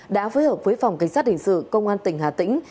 đã phối hợp với phòng cảnh sát hình sự công an tỉnh hà tĩnh